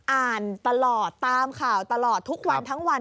อ่านตลอดตามข่าวตลอดทุกวันทั้งวัน